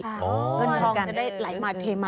คือเป็นทองการให้ผ่านมันหลายมาเปิดบนน้ำ